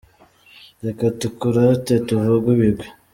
Reka tukurate tukuvuge ibigwi